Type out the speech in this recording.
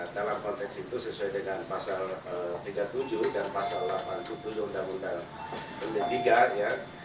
dalam konteks itu sesuai dengan pasal tiga puluh tujuh dan pasal delapan puluh tujuh undang undang pendidikan ya